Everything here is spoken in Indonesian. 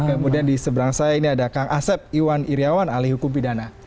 kemudian di seberang saya ini ada kang asep iwan iryawan ahli hukum pidana